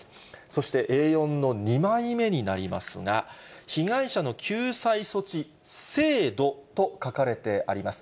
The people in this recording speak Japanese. そして、Ａ４の２枚目になりますが、被害者の救済措置制度と書かれてあります。